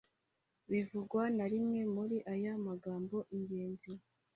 Bivugwa na rimwe muri aya magambo ingenzi